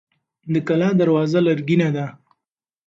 د کلا دروازه لرګینه ده.